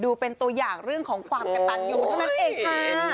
ดูเป็นตัวอย่างเรื่องของความกระตันอยู่เท่านั้นเองค่ะ